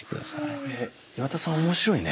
これ岩田さん面白いね。